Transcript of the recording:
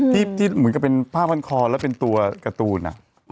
ที่เหมือนกับเป็นผ้าพันคอแล้วเป็นตัวการ์ตูน